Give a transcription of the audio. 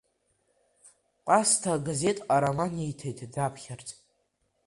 Кәасҭа агазеҭ Ҟараман ииҭеит даԥхьарц.